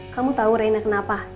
kamu tau reina kenapa